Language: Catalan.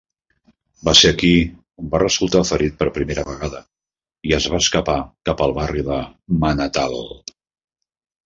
Va ser aquí on va resultar ferit per primera vegada i es va escapar cap al barri de "Manatal".